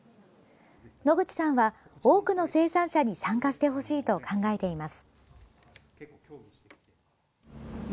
野口さんは、多くの生産者に参加してほしいと考えています。